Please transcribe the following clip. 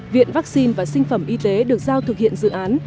viện vắc xin và sinh phẩm y tế được giao thực hiện dự án